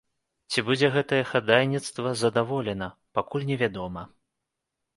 Ці будзе гэтае хадайніцтва задаволена, пакуль невядома.